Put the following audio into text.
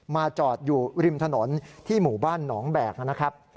จอดอยู่ริมถนนที่หมู่บ้านหนองแบกนะครับ